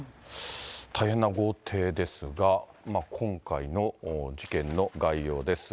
大変な豪邸ですが、今回の事件の概要です。